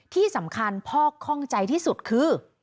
ที่สำคัญพ่อคล่องใจที่สุดคือ